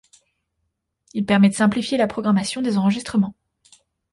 Il permet de simplifier la programmation des enregistrements.